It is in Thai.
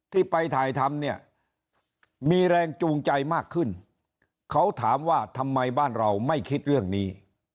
ที่ไปถ่ายทำเนี่ยมีแรงจูงใจมากขึ้นเขาถามว่าทำไมบ้านเราไม่คิดเรื่องนี้